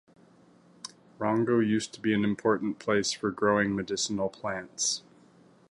Rongo used to be an important place for growing medicinal plants.